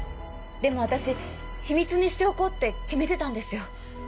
でも私秘密にしておこうって決めてたんですよ。